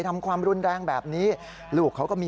ท่าไหนต้องกดตาไว้